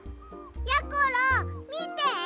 やころみて！